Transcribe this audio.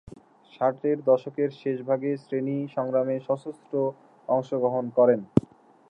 ষাটের দশকের শেষ ভাগে শ্রেণী সংগ্রামে সশস্ত্র অংশগ্রহণ করেন।